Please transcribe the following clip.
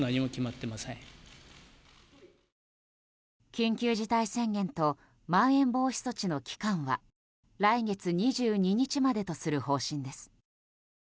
緊急事態宣言とまん延防止措置の期間は来月２２日までとする方針です。